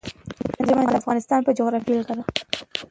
ژمی د افغانستان د جغرافیې بېلګه ده.